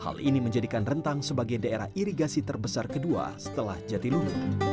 hal ini menjadikan rentang sebagai daerah irigasi terbesar kedua setelah jatilunu